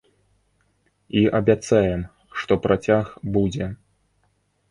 І абяцаем, што працяг будзе!